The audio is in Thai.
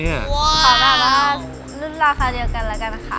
เลือกราคาเดียวกันค่ะ